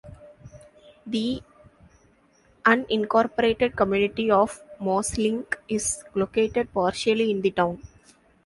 The unincorporated community of Mosling is located partially in the town.